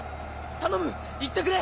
頼む行ってくれ！